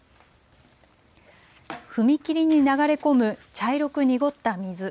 踏切に流れ込む茶色く濁った水。